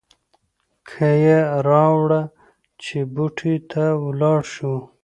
کیه راوړه چې بوټي ته ولاړ شو.